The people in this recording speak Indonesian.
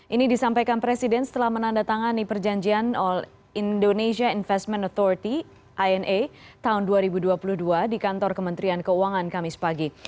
ini disampaikan presiden setelah menandatangani perjanjian indonesia investment authority ina tahun dua ribu dua puluh dua di kantor kementerian keuangan kamis pagi